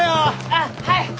あっはい！